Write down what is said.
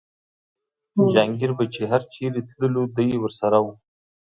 جهانګیر به چې هر چېرې تللو دی ورسره و.